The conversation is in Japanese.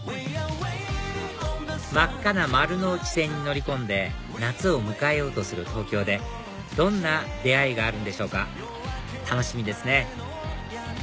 真っ赤な丸ノ内線に乗り込んで夏を迎えようとする東京でどんな出会いがあるんでしょうか楽しみですね